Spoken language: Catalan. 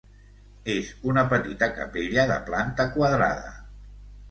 És una petita capella de planta quadrada.